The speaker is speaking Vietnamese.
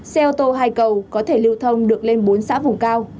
xe ô tô hai cầu có thể lưu thông được lên bốn xã vùng cao